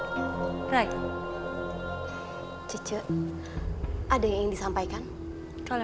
saya sedang membuatkan keroyokan yang kurang ada ket escribenarnya